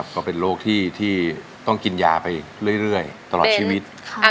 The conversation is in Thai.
ก็เป็นโรคที่ต้องกินยาไปอีกเรื่อยตลอดชีวิต